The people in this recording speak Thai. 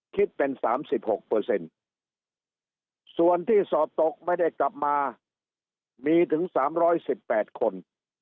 คิดเป็น๓๖ส่วนที่สอบตกไม่ได้กลับมามีถึง๓๑๘คน